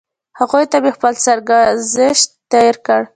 هغوی ته مې خپل سرګذشت تېر کړ.